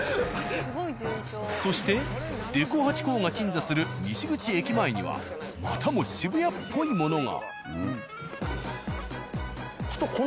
そしてデコハチ公が鎮座する西口駅前にはまたも渋谷っぽいものが。